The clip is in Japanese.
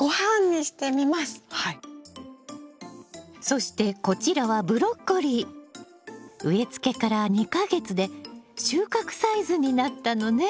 そしてこちらは植えつけから２か月で収穫サイズになったのね。